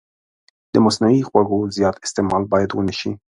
د مصنوعي خوږو زیات استعمال باید ونه شي.